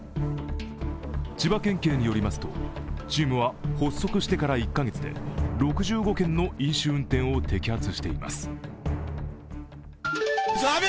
千葉県警によりますと、チームは発足してから１カ月で６５件の飲酒運転を摘発しています。